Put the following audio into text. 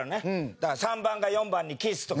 だから３番が４番にキスとか。